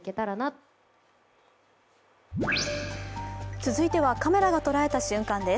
続いてはカメラが捉えた瞬間です。